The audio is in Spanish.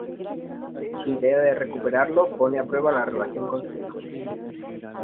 Su idea de recuperarlo pone a prueba la relación con su hijo.